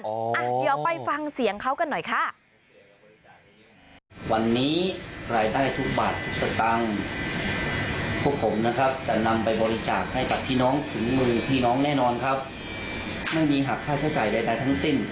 เดี๋ยวไปฟังเสียงเขากันหน่อยค่ะ